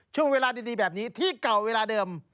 ช่วงเวลาดีแบบนี้ที่เก่าเวลาเดิม